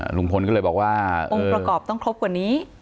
ลุงพลก็เลยบอกว่าองค์ประกอบต้องครบกว่านี้